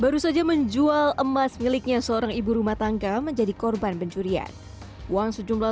baru saja menjual emas miliknya seorang ibu rumah tangga menjadi korban pencurian uang sejumlah